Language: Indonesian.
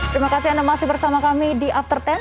terima kasih anda masih bersama kami di after sepuluh